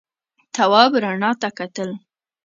تواب رڼا ته کتل.